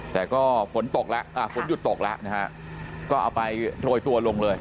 แต่ก็ฝนตกละฝนหยุดตกละนะฮะก็ไปโรยตัวลงเลย